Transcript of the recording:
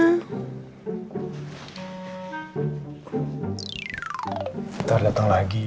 ntar dateng lagi